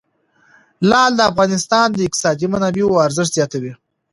لعل د افغانستان د اقتصادي منابعو ارزښت زیاتوي.